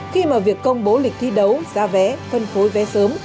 khi mà việc công bố lịch thi đấu giá vé phân phối vé sớm